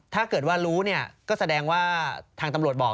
ถ้าเกิดว่ารู้เนี่ยก็แสดงว่าทางตำรวจบอก